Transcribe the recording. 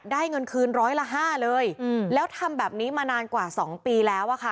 เงินคืนร้อยละห้าเลยแล้วทำแบบนี้มานานกว่า๒ปีแล้วอะค่ะ